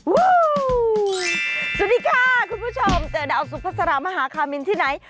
สวัสดีค่ะคุณผู้ชมเจอดาวสุภาษามหาคามินที่ไหน